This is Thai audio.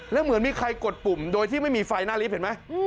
แล้วเหมือนมีใครกดปุ่มโดยที่ไม่มีไฟหน้าลิฟต์เห็นไหม